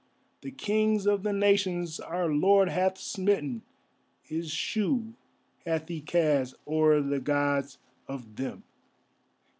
The Kings of the Nations our Lord hath smitten, His shoe hath He cast o'er the Gods of them.